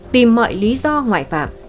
tìm mọi lý do ngoại phạm